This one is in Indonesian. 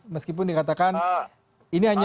meskipun dikatakan ini hanya